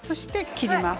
切ります。